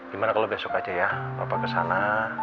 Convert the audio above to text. gimana kalau besok aja ya bapak ke sana